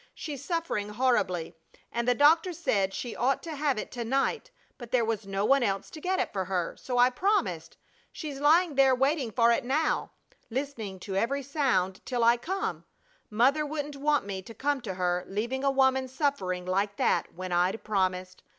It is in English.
She's suffering horribly, and the doctor said she ought to have it to night, but there was no one else to get it for her, so I promised. She's lying there waiting for it now, listening to every sound till I come. Mother wouldn't want me to come to her, leaving a woman suffering like that when I'd promised.